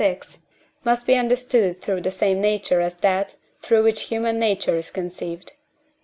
vi.) must be understood through the same nature as that, through which human nature is conceived.